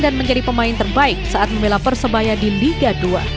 dan menjadi pemain terbaik saat memelah persebaya di liga dua